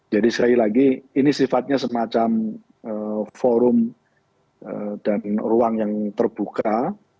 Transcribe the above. jadi sekali lagi ini sifatnya semacam forum dan ruang yang terbuka